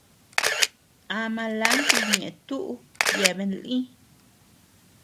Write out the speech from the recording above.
Ama lanti ñeʼe túʼu yeabean lï.